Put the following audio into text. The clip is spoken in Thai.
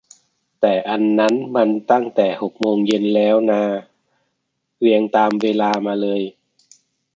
แต่อันนั้นมันตั้งแต่หกโมงเย็นแล้วนา เรียงตามเวลามาเลย